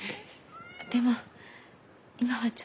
でも今はちょっと。